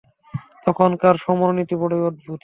তখনকার সমরনীতি বড়ই অদ্ভুত ছিল।